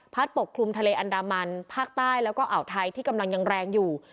ปกคลุมทะเลอันดามันภาคใต้แล้วก็อ่าวไทยที่กำลังยังแรงอยู่